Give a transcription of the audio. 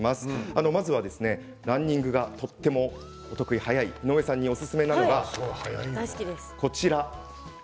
ランニングがとてもお得意で速い井上さんにおすすめがこちらです。